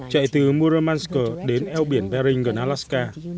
chạy từ muromansk đến eo biển bering gần alaska